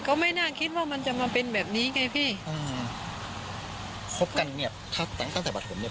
ก็ไม่น่าคิดว่ามันจะมาเป็นแบบนี้ไงพี่อืมคบกันเงียบถ้าตั้งตั้งแต่ปฐมเนี้ย